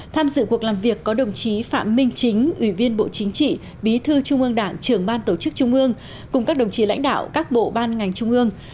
tham dự cuộc làm việc có đồng chí phạm minh chính ủy viên bộ chính trị bí thư trung ương đảng trưởng ban tổ chức trung ương cùng các đồng chí lãnh đạo các bộ ban ngành trung ương